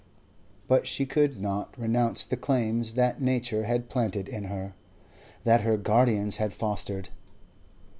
But she could not renounce the claims that Nature had planted in her, that her guardians had fostered.